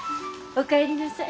お帰りなさい。